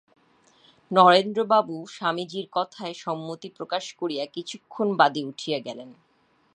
নরেন্দ্রবাবু স্বামীজীর কথায় সম্মতি প্রকাশ করিয়া কিছুক্ষণ বাদে উঠিয়া গেলেন।